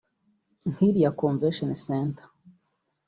nk’iriya convention center